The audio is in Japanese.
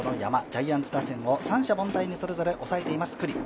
ジャイアンツ打線を三者凡退にそれぞれ抑えています。